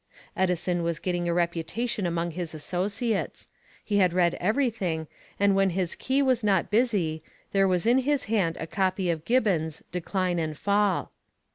Edison was getting a reputation among his associates. He had read everything, and when his key was not busy, there was in his hand a copy of Gibbon's "Decline and Fall."